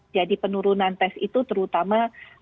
jadi penurunan tes itu terutama